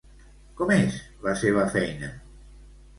Com és la seva feina?